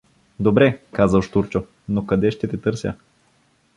— Добре — казал Щурчо, — но къде ще те търся?